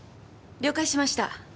了解しました。